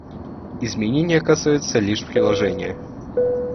Изменения касаются лишь приложения.